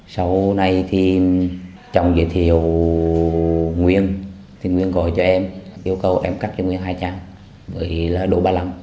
sau này thì chồng giới thiệu nguyên thì nguyên gọi cho em yêu cầu em cắt cho nguyên hai trang với là độ ba mươi năm